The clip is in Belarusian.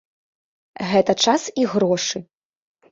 Гэта час і грошы.